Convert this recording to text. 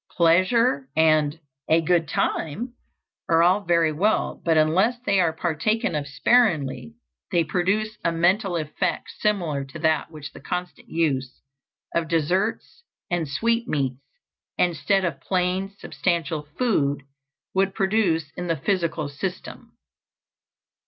Pleasure and "a good time" are all very well, but unless they are partaken of sparingly they produce a mental effect similar to that which the constant use of desserts and sweetmeats, instead of plain substantial food, would produce in the physical system.